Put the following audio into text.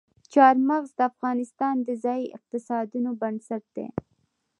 چار مغز د افغانستان د ځایي اقتصادونو بنسټ دی.